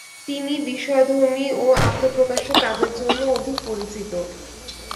তিনি বিষয়ধর্মী ও আত্ম-প্রকাশক কাজের জন্য অধিক পরিচিত।